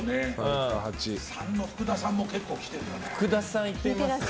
３の福田さんも結構きてるよね。